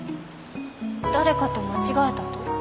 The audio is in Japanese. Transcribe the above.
誰かと間違えたと？